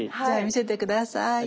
じゃあ見せて下さい。